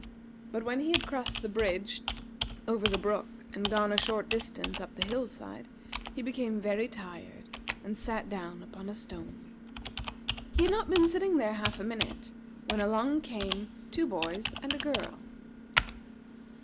But when he had crossed the bridge over the brook, and gone a short distance up the hill side, he became very tired, and sat down upon a stone. He had not been sitting there half a minute, when along came two boys and a girl.